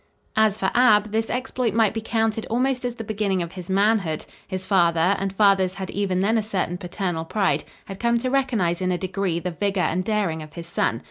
As for Ab, this exploit might be counted almost as the beginning of his manhood. His father and fathers had even then a certain paternal pride had come to recognize in a degree the vigor and daring of his son.